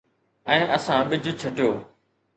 ۽ اسان ٻج ڇٽيو.